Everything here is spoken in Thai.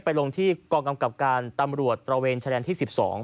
ลงที่กองกำกับการตำรวจตระเวนชายแดนที่๑๒